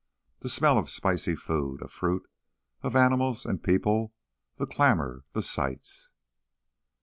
The smell of spicy foods, of fruit, of animals and people ... the clamor ... the sights....